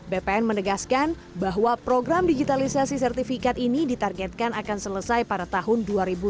bpn menegaskan bahwa program digitalisasi sertifikat ini ditargetkan akan selesai pada tahun dua ribu dua puluh